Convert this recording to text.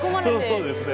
そうですね。